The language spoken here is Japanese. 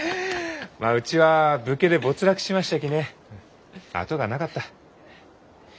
まあうちは武家で没落しましたきね後がなかった。